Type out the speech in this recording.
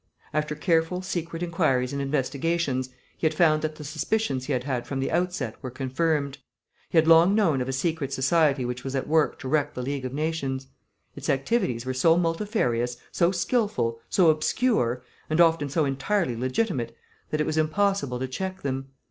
After careful secret inquiries and investigations, he had found that the suspicions he had had from the outset were confirmed. He had long known of a secret society which was at work to wreck the League of Nations. Its activities were so multifarious, so skilful, so obscure, and often so entirely legitimate, that it was impossible to check them.